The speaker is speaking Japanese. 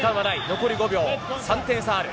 残り５秒、３点差ある。